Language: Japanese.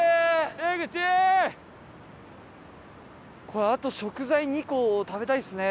これあと食材２個食べたいですね